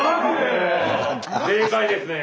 正解ですねえ。